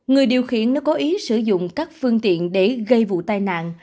người điều khiển nó có ý sử dụng các phương tiện để gây vụ tai nạn